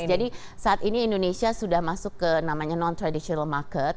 jadi saat ini indonesia sudah masuk ke namanya non traditional market